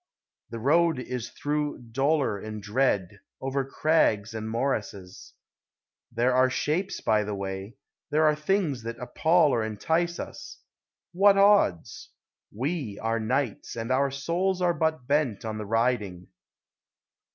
The road is through dolor and dread, over crags and morasses ; There are shapes by the way, there are things that appall or entice us : What odds ? We are knights, and our souls are but bent on the riding